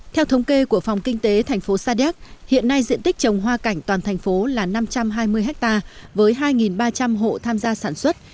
theo thống kê của phòng kinh tế thành phố sa đéc hiện nay diện tích trồng hoa cảnh toàn thành phố là năm trăm hai mươi ha với hai ba trăm linh hộ tham gia sản xuất